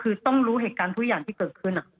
คือต้องรู้เหตุการณ์ทุกอย่างที่เกิดขึ้น